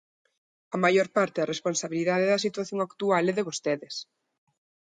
A maior parte da responsabilidade da situación actual é de vostedes.